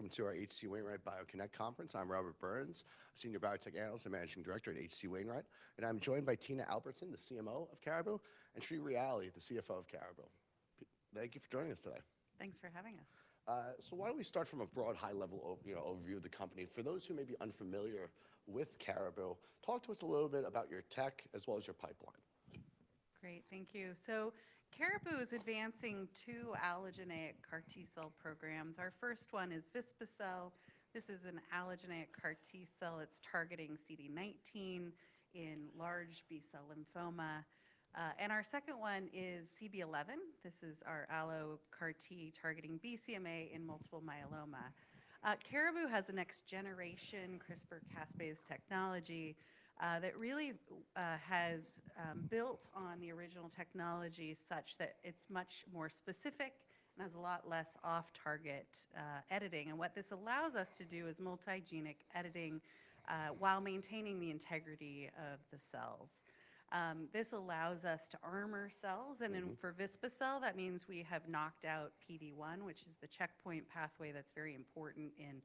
Welcome to our H.C. Wainwright BioConnect Conference. I'm Robert Burns, senior biotech analyst and managing director at H.C. Wainwright, and I'm joined by Tina Albertson, the CMO of Caribou, and Sri Ryali, the CFO of Caribou. Thank you for joining us today. Thanks for having us. Why don't we start from a broad high-level you know, overview of the company. For those who may be unfamiliar with Caribou, talk to us a little bit about your tech as well as your pipeline. Great. Thank you. Caribou is advancing two allogeneic CAR T-cell programs. Our first one is vispa-cel. This is an allogeneic CAR T-cell. It's targeting CD19 in large B-cell lymphoma. Our second one is CB-011. This is our allo CAR T targeting BCMA in multiple myeloma. Caribou has a next generation CRISPR-Cas base technology that really has built on the original technology such that it's much more specific and has a lot less off-target editing. What this allows us to do is multigenic editing while maintaining the integrity of the cells. This allows us to armor cells. for vispa-cel, that means we have knocked out PD-1, which is the checkpoint pathway that's very important in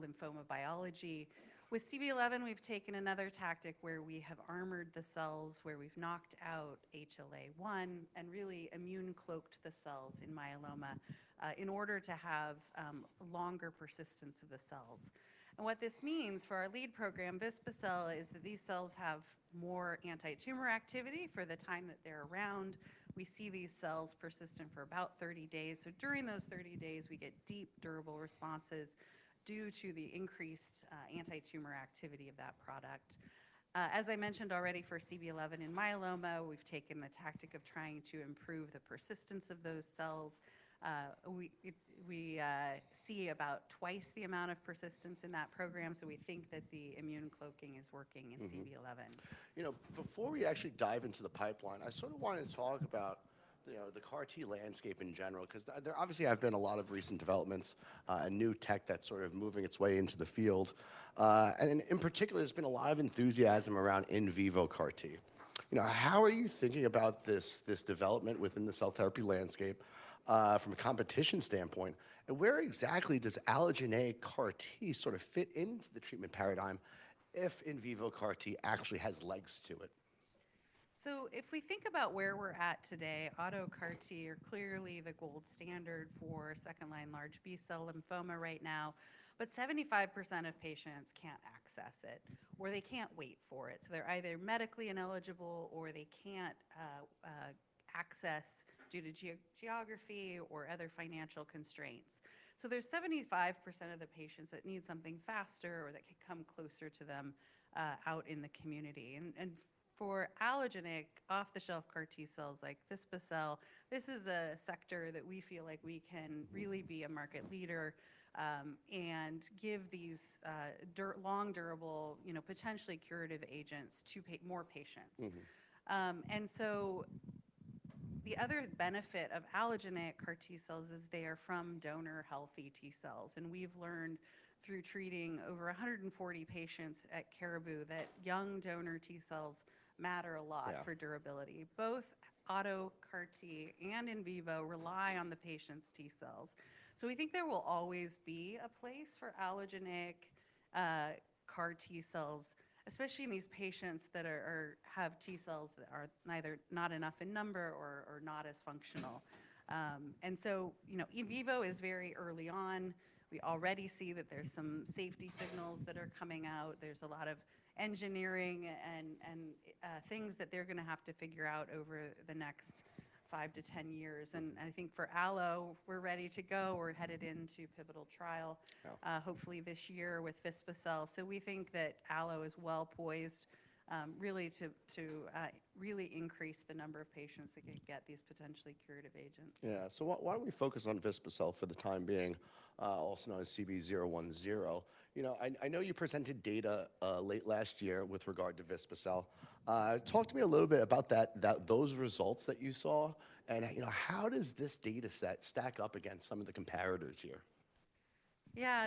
lymphoma biology. With CB-011, we've taken another tactic where we have armored the cells, where we've knocked out HLA-1 and really immune cloaked the cells in myeloma in order to have longer persistence of the cells. What this means for our lead program, vispa-cel, is that these cells have more anti-tumor activity for the time that they're around. We see these cells persistent for about 30 days. During those 30 days, we get deep durable responses due to the increased anti-tumor activity of that product. As I mentioned already for CB-011 in myeloma, we've taken the tactic of trying to improve the persistence of those cells. We see about twice the amount of persistence in that program, so we think that the immune cloaking is working in- CB-011. You know, before we actually dive into the pipeline, I sort of wanted to talk about, you know, the CAR T landscape in general, cause there obviously have been a lot of recent developments, and new tech that's sort of moving its way into the field. In particular, there's been a lot of enthusiasm around in vivo CAR T. You know, how are you thinking about this development within the cell therapy landscape, from a competition standpoint? Where exactly does allogeneic CAR T sort of fit into the treatment paradigm if in vivo CAR T actually has legs to it? If we think about where we're at today, auto CAR T are clearly the gold standard for second-line large B-cell lymphoma right now. 75% of patients can't access it, or they can't wait for it. They're either medically ineligible, or they can't access due to geography or other financial constraints. There's 75% of the patients that need something faster or that could come closer to them out in the community. For allogeneic, off-the-shelf CAR T cells like vispa-cel, this is a sector that we feel like we can really be a market leader and give these long durable, you know, potentially curative agents to more patients. The other benefit of allogeneic CAR T cells is they are from donor healthy T cells, and we've learned through treating over 140 patients at Caribou that young donor T cells matter a lot. Yeah for durability. Both auto CAR T and in vivo rely on the patient's T cells. We think there will always be a place for allogeneic CAR T cells, especially in these patients that have T cells that are neither not enough in number or not as functional. You know, in vivo is very early on. We already see that there's some safety signals that are coming out. There's a lot of engineering and things that they're gonna have to figure out over the next five to 10 years. I think for allo, we're ready to go. We're headed into pivotal trial. Yeah Hopefully this year with vispa-cel. We think that allo is well poised, really to increase the number of patients that can get these potentially curative agents. Yeah. Why don't we focus on vispa-cel for the time being, also known as CB-010? You know, I know you presented data late last year with regard to vispa-cel. Talk to me a little bit about those results that you saw and, you know, how does this data set stack up against some of the comparators here? Yeah.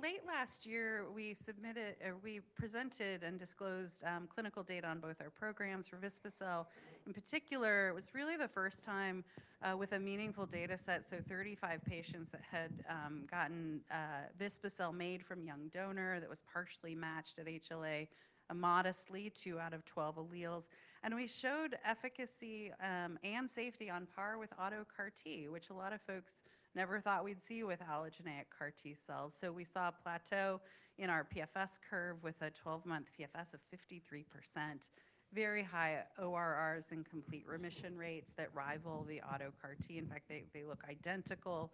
Late last year, we presented and disclosed clinical data on both our programs for vispa-cel. In particular, it was really the first time, with a meaningful data set, 35 patients that had gotten vispa-cel made from young donor that was partially matched at HLA, a modestly two out of 12 alleles. We showed efficacy and safety on par with auto CAR T, which a lot of folks never thought we'd see with allogeneic CAR T cells. We saw a plateau in our PFS curve with a 12-month PFS of 53%. Very high ORRs and complete remission rates that rival the auto CAR T. In fact, they look identical.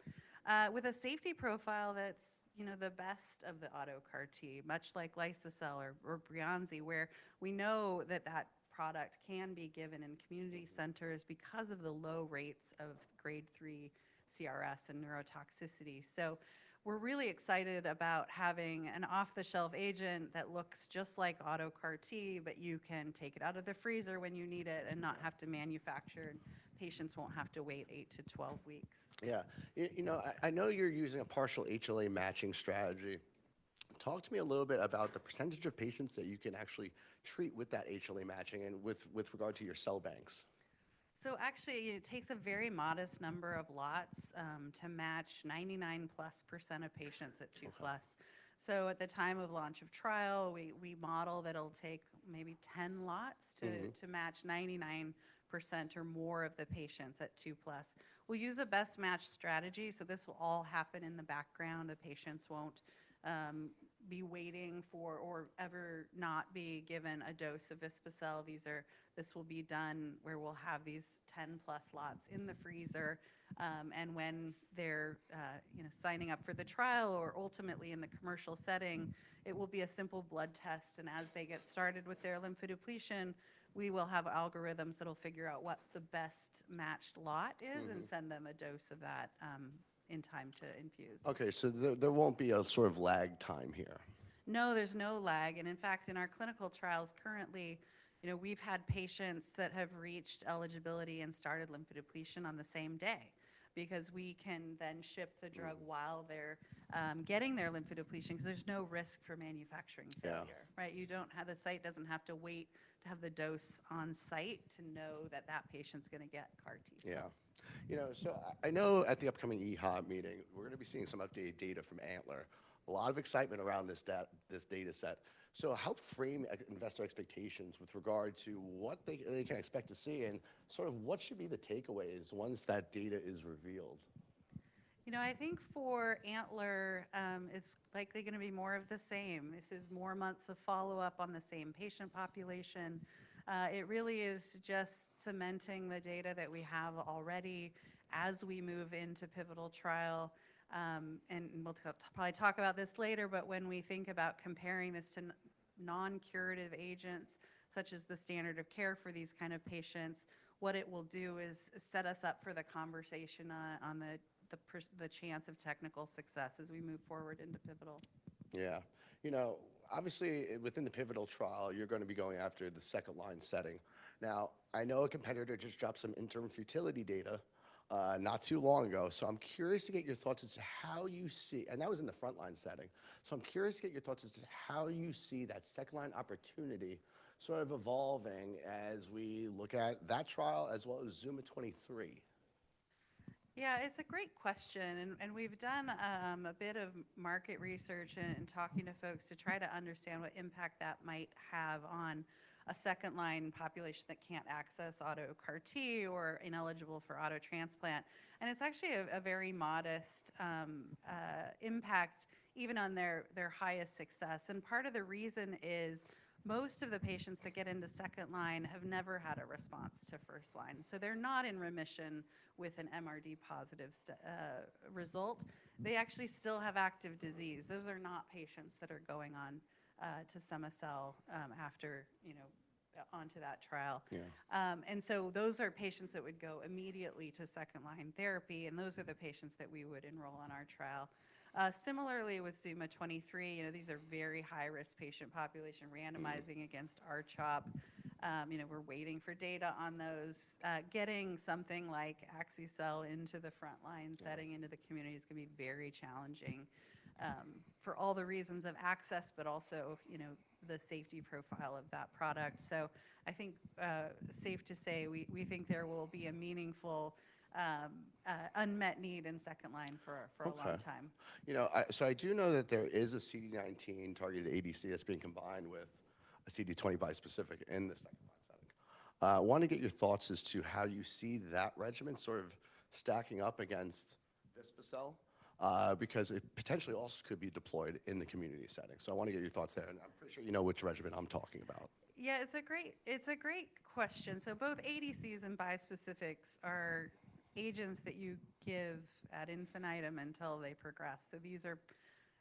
With a safety profile that's, you know, the best of the auto CAR T, much like liso-cel or Breyanzi, where we know that that product can be given in community centers because of the low rates of grade 3 CRS and neurotoxicity. We're really excited about having an off-the-shelf agent that looks just like auto CAR T, but you can take it out of the freezer when you need it and not have to manufacture. Patients won't have to wait 8-12 weeks. Yeah. You know, I know you're using a partial HLA matching strategy. Talk to me a little bit about the percentage of patients that you can actually treat with that HLA matching and with regard to your cell banks. Actually, it takes a very modest number of lots, to match 99%+ of patients at 2+. Okay. At the time of launch of trial, we model that it'll take maybe 10 lots. to match 99% or more of the patients at 2+. We'll use a best match strategy, this will all happen in the background. The patients won't be waiting for or ever not be given a dose of vispa-cel. This will be done where we'll have these 10+ lots in the freezer. When they're, you know, signing up for the trial or ultimately in the commercial setting. it will be a simple blood test. As they get started with their lymphodepletion, we will have algorithms that'll figure out what the best matched lot is. send them a dose of that, in time to infuse. Okay. There won't be a sort of lag time here. No, there's no lag. In fact, in our clinical trials currently, you know, we've had patients that have reached eligibility and started lymph depletion on the same day because we can then ship the drug while they're getting their lymph depletion 'cause there's no risk for manufacturing failure. Yeah. Right? The site doesn't have to wait to have the dose on site to know that that patient's going to get CAR T. Yeah. You know, I know at the upcoming EHA meeting, we're gonna be seeing some updated data from ANTLER. A lot of excitement around this data set. Help frame investor expectations with regard to what they can expect to see and sort of what should be the takeaways once that data is revealed. You know, I think for ANTLER, it's likely gonna be more of the same. This is more months of follow-up on the same patient population. It really is just cementing the data that we have already as we move into pivotal trial. We'll probably talk about this later, but when we think about comparing this to non-curative agents such as the standard of care for these kind of patients, what it will do is set us up for the conversation on the chance of technical success as we move forward into pivotal. Yeah. You know, obviously within the pivotal trial, you're going to be going after the second-line setting. I know a competitor just dropped some interim futility data not too long ago. That was in the front-line setting. I'm curious to get your thoughts as to how you see that second-line opportunity sort of evolving as we look at that trial as well as ZUMA-23. Yeah. It's a great question and we've done a bit of market research and talking to folks to try to understand what impact that might have on a second line population that can't access auto CAR T or ineligible for auto transplant, and it's actually a very modest impact even on their highest success. Part of the reason is most of the patients that get into second line have never had a response to first line. So they're not in remission with an MRD positive result. They actually still have active disease. Those are not patients that are going on to cilta-cel after, you know, onto that trial. Yeah. Those are patients that would go immediately to second line therapy, and those are the patients that we would enroll on our trial. Similarly with ZUMA-23, you know, these are very high-risk patient population randomizing against R-CHOP. You know, we're waiting for data on those. Getting something like axi-cel into the front line. Yeah setting into the community is gonna be very challenging, for all the reasons of access, but also, you know, the safety profile of that product. I think, safe to say, we think there will be a meaningful unmet need in second line. Okay for a long time. You know, I do know that there is a CD19 targeted ADC that's being combined with a CD20 bispecific in the second line setting. I wanna get your thoughts as to how you see that regimen sort of stacking up against vispa-cel, because it potentially also could be deployed in the community setting. I wanna get your thoughts there, and I'm pretty sure you know which regimen I'm talking about. It's a great question. Both ADCs and bispecifics are agents that you give ad infinitum until they progress. These are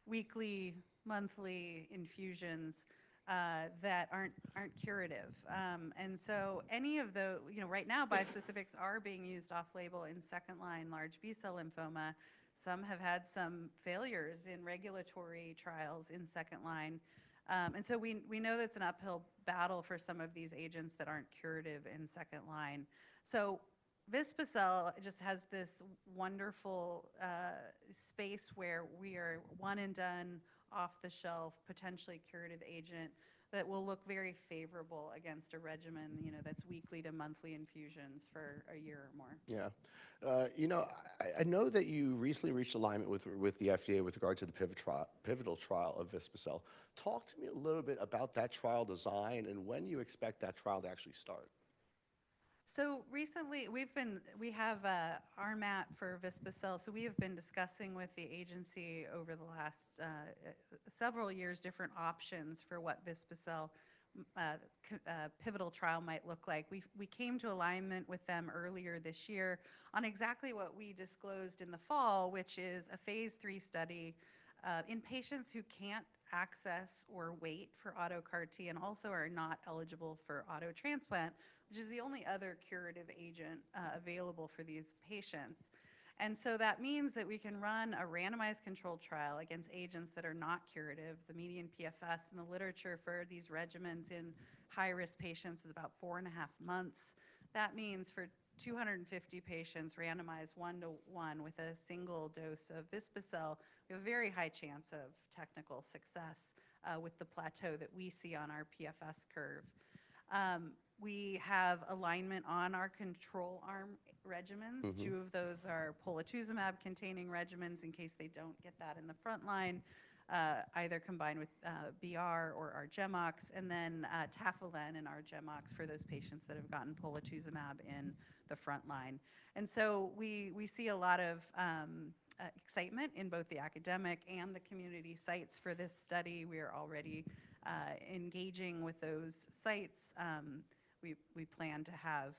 weekly, monthly infusions that aren't curative. You know, right now, bispecifics are being used off-label in second-line large B-cell lymphoma. Some have had some failures in regulatory trials in second line. We know that's an uphill battle for some of these agents that aren't curative in second line. Vispa-cel just has this wonderful space where we are one and done, off-the-shelf, potentially curative agent that will look very favorable against a regimen, you know, that's weekly to monthly infusions for a year or more. Yeah. you know, I know that you recently reached alignment with the FDA with regard to the pivotal trial of vispa-cel. Talk to me a little bit about that trial design and when you expect that trial to actually start. Recently, we have our RMAT for vispa-cel. We have been discussing with the agency over the last several years different options for what vispa-cel pivotal trial might look like. We came to alignment with them earlier this year on exactly what we disclosed in the fall, which is a phase III study in patients who can't access or wait for auto CAR T and also are not eligible for auto transplant, which is the only other curative agent available for these patients. That means that we can run a randomized controlled trial against agents that are not curative. The median PFS in the literature for these regimens in high-risk patients is about 4.5 months. That means for 250 patients randomized 1:1 with a single dose of vispa-cel, we have a very high chance of technical success, with the plateau that we see on our PFS curve. We have alignment on our control arm regimens. Two of those are polatuzumab-containing regimens in case they don't get that in the front line, either combined with BR or R-GemOx, and then tafasitamab and R-GemOx for those patients that have gotten polatuzumab in the front line. We see a lot of excitement in both the academic and the community sites for this study. We are already engaging with those sites. We plan to have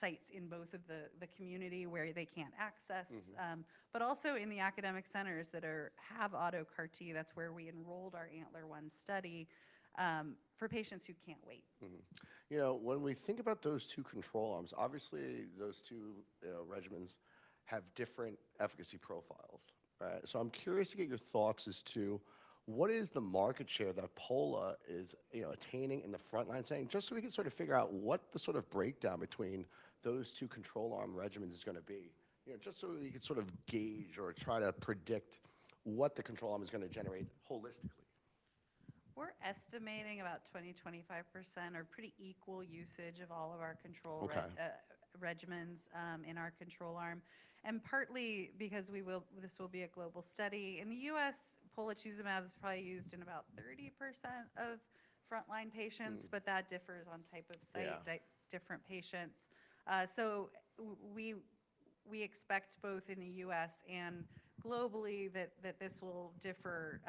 sites in both of the community where they can't access- Also in the academic centers that have auto CAR T. That's where we enrolled our ANTLER 1 study for patients who can't wait. You know, when we think about those two control arms, obviously those two regimens have different efficacy profiles, right? I'm curious to get your thoughts as to what is the market share that pola is, you know, attaining in the front-line setting, just so we can sort of figure out what the sort of breakdown between those two control arm regimens is gonna be. You know, just so you can sort of gauge or try to predict what the control arm is gonna generate holistically. We're estimating about 20%, 25% or pretty equal usage of all of our control re- Okay regimens, in our control arm, and partly because this will be a global study. In the U.S., polatuzumab is probably used in about 30% of frontline patients. That differs on type of site. Yeah different patients. We expect both in the U.S. and globally that this will differ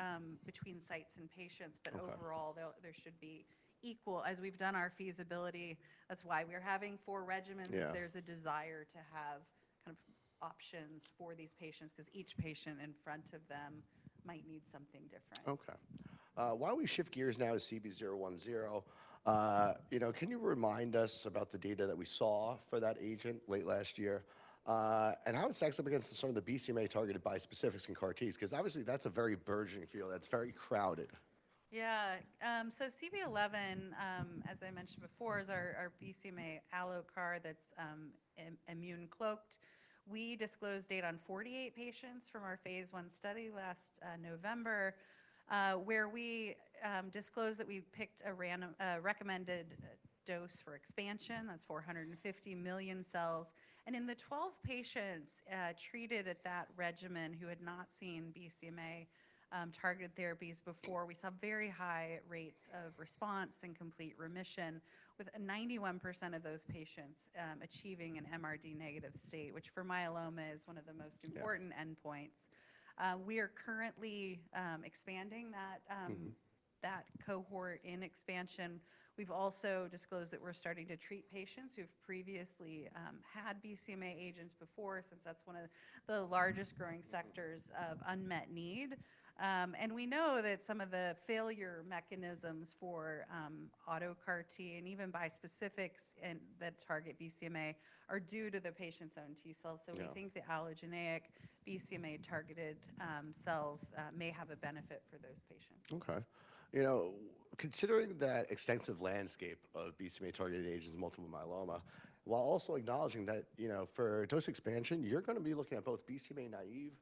between sites and patients. Okay. Overall there should be equal. As we've done our feasibility, that's why we're having four regimens. Yeah. There's a desire to have kind of options for these patients, 'cause each patient in front of them might need something different. Okay. Why don't we shift gears now to CB-010. You know, can you remind us about the data that we saw for that agent late last year? How it stacks up against sort of the BCMA-targeted bispecifics in CAR Ts? 'Cause obviously that's a very burgeoning field. That's very crowded. CB-011, as I mentioned before, is our BCMA allo CAR that's immune cloaked. We disclosed data on 48 patients from our phase I study last November, where we disclosed that we picked a recommended dose for expansion. That's 450 million cells. In the 12 patients treated at that regimen who had not seen BCMA targeted therapies before, we saw very high rates of response and complete remission, with 91% of those patients achieving an MRD negative state, which for myeloma is one of the most important. Yeah endpoints. We are currently expanding that. that cohort in expansion. We've also disclosed that we're starting to treat patients who've previously had BCMA agents before, since that's one of the largest growing sectors of unmet need. We know that some of the failure mechanisms for auto CAR T and even bispecifics that target BCMA are due to the patient's own T cells. Yeah. We think the allogeneic BCMA-targeted cells may have a benefit for those patients. Okay. You know, considering that extensive landscape of BCMA-targeted agents in multiple myeloma, while also acknowledging that, you know, for dose expansion, you're gonna be looking at both BCMA naive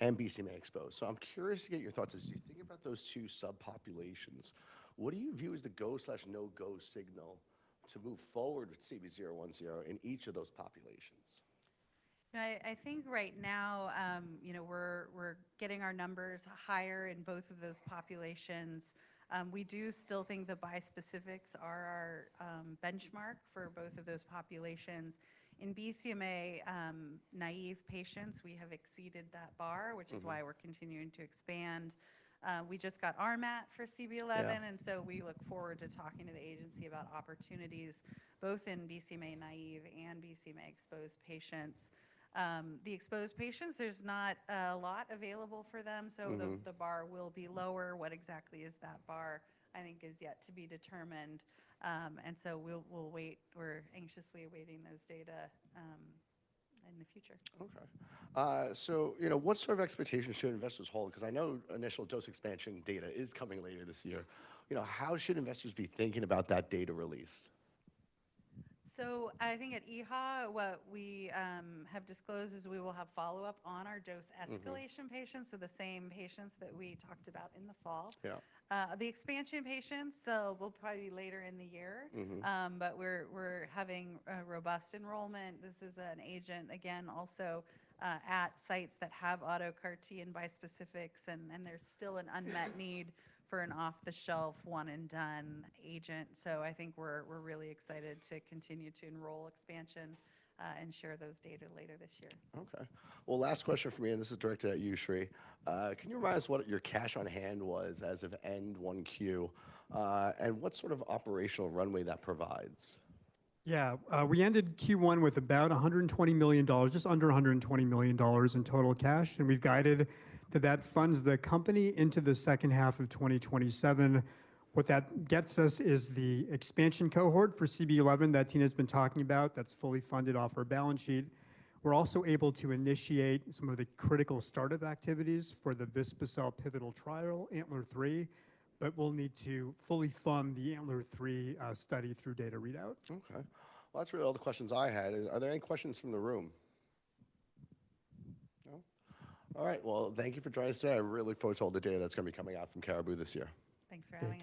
and BCMA exposed. I'm curious to get your thoughts. As you think about those two subpopulations, what do you view as the go/no go signal to move forward with CB-010 in each of those populations? I think right now, you know, we're getting our numbers higher in both of those populations. We do still think the bispecifics are our benchmark for both of those populations. In BCMA, naive patients, we have exceeded that bar. which is why we're continuing to expand. We just got RMAT for CB-011. Yeah. We look forward to talking to the agency about opportunities both in BCMA naive and BCMA-exposed patients. The exposed patients, there's not a lot available for them. The bar will be lower. What exactly is that bar, I think, is yet to be determined. We'll wait. We're anxiously awaiting those data in the future. Okay. you know, what sort of expectations should investors hold? Cause I know initial dose expansion data is coming later this year. You know, how should investors be thinking about that data release? I think at EHA, what we have disclosed is we will have follow-up on our dose escalation patients. The same patients that we talked about in the fall. Yeah. The expansion patients will probably be later in the year. We're having a robust enrollment. This is an agent, again, also, at sites that have auto CAR T and bispecifics, and there's still an unmet need for an off-the-shelf one-and-done agent. I think we're really excited to continue to enroll expansion and share those data later this year. Okay. Well, last question from me, and this is directed at you, Sri. Can you remind us what your cash on hand was as of end 1Q, and what sort of operational runway that provides? We ended Q1 with about $120 million, just under $120 million in total cash, and we've guided that that funds the company into the second half of 2027. What that gets us is the expansion cohort for CB-011 that Tina's been talking about. That's fully funded off our balance sheet. We're also able to initiate some of the critical startup activities for the vispa-cel pivotal trial, ANTLER 3, but we'll need to fully fund the ANTLER 3 study through data readout. Okay. Well, that's really all the questions I had. Are there any questions from the room? No? All right, well, thank you for joining us today. I really look forward to all the data that's gonna be coming out from Caribou this year. Thanks for having us.